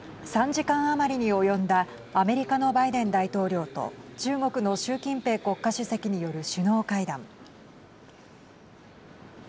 ３時間余りに及んだアメリカのバイデン大統領と中国の習近平国家主席による首脳会談。